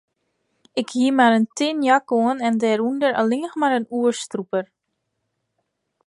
Ik hie mar in tin jack oan en dêrûnder allinnich mar in oerstrûper.